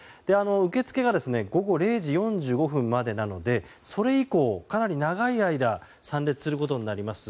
受付が午後０時４５分までなのでそれ以降、かなり長い間参列することになります。